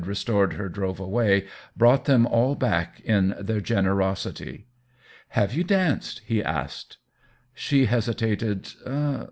restored her drove away, brought them all back in their generosity. " Have you danced ?" he asked. She hesitated.